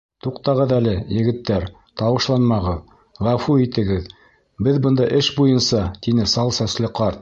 — Туҡтағыҙ әле, егеттәр, тауышланмағыҙ, ғәфү итегеҙ, беҙ бында эш буйынса, — тине сал сәсле ҡарт.